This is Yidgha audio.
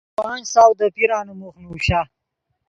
پانچ سو دے پیرانے موخ نوشا۔